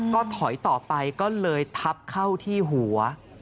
ก็ถอยต่อไปก็เลยทับเข้าที่หัว